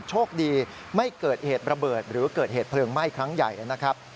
โชคดีไม่เกิดเหตุระเบิดหรือเกิดเหตุเพลิงไหม้ครั้งใหญ่นะครับ